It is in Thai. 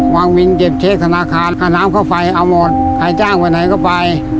วางวินเก็บเช็คธนาคารค่าน้ำค่าไฟเอาหมดใครจ้างไปไหนก็ไป